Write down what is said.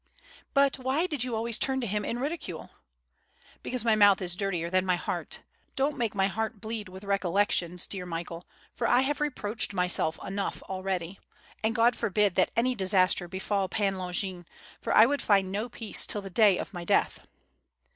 "But why did you always turn him into ridicule?" "Because my mouth is dirtier than my heart. Don't make my heart bleed with recollections, dear Michael, for I have reproached myself enough already, and God forbid that any disaster befall Pan Longin, for I would find no peace till the day of my death."